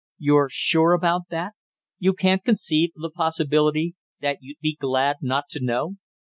"You're sure about that? You can't conceive of the possibility that you'd be glad not to know?